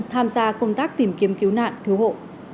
tham gia công tác tìm kiếm cứu nạn cứu hộ